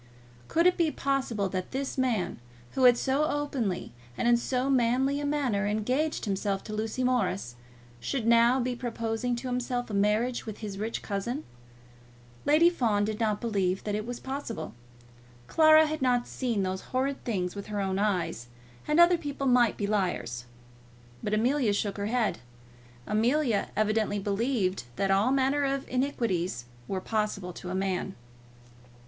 Could it be possible that this man, who had so openly and in so manly a manner engaged himself to Lucy Morris, should now be proposing to himself a marriage with his rich cousin? Lady Fawn did not believe that it was possible. Clara had not seen those horrid things with her own eyes, and other people might be liars. But Amelia shook her head. Amelia evidently believed that all manner of iniquities were possible to man.